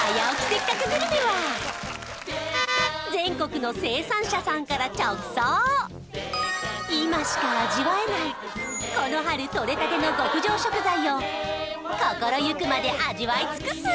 せっかくグルメは今しか味わえないこの春とれたての極上食材を心ゆくまで味わい尽くす！